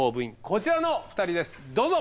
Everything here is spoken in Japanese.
こちらの２人ですどうぞ！